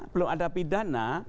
belum ada pidana